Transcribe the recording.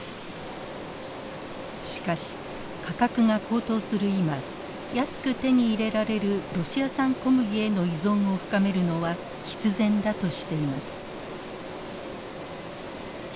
しかし価格が高騰する今安く手に入れられるロシア産小麦への依存を深めるのは必然だとしています。